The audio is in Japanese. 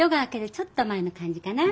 ちょっと前の感じかな。